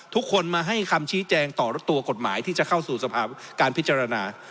ทุกคนมาให้คำชี้แจงต่อรถตัวกฎหมายที่จะเข้าสู่สภาพการพิจารณา